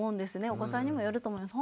お子さんにもよると思います。